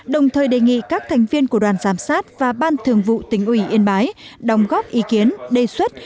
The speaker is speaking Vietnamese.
đồng thời đề nghị các thành viên của đoàn giám sát và ban thường vụ tỉnh ủy yên bái đồng góp ý kiến đề xuất